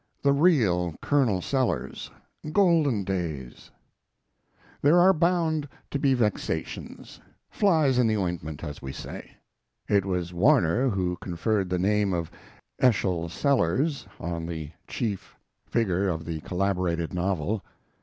THE REAL COLONEL SELLERS GOLDEN DAYS There are bound to be vexations, flies in the ointment, as we say. It was Warner who conferred the name of Eschol Sellers on the chief figure of the collaborated novel.